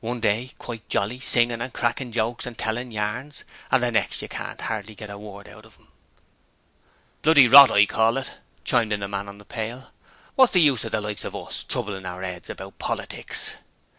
'One day quite jolly, singing and cracking jokes and tellin' yarns, and the next you can't hardly get a word out of 'im.' 'Bloody rot, I call it,' chimed in the man on the pail. 'Wot the 'ell's the use of the likes of us troublin' our 'eads about politics?'